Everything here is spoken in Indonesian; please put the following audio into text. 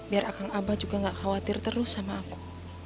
biar akang abah juga nggak khawatir terus sama aku